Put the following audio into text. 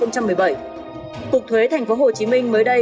cục thuế tp hcm mới đây